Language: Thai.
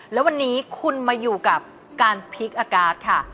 แล้ววันนี้คุณมาอยู่กับการพลิกอากาศค่ะ